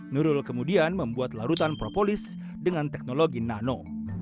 nurul kemudian membuat larutan propolis dengan teknologi nano